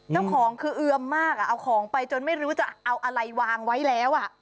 เจ้าของคือเอือมมากเอาของไปจนไม่รู้จะเอาอะไรวางไว้แล้ว